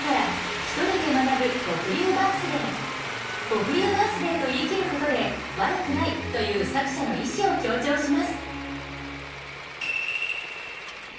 「僕流バースデイ」と言い切ることで「わるくない」という作者の意志を強調します。